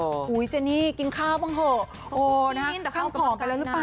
บอกว่าเจนี่กินข้าวบ้างเหอะคลั่งผอมไปแล้วหรือเปล่า